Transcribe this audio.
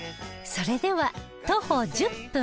それでは徒歩１０分